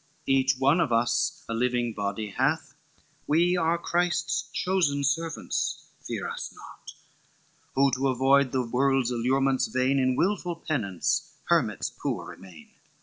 Each one of us a living body hath, We are Christ's chosen servants, fear us naught, Who to avoid the world's allurements vain, In wilful penance, hermits poor remain.